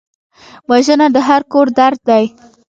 وژنه د هر کور درد دی